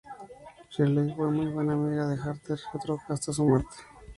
Shirley fue muy buena amiga de Heather Trott hasta su muerte.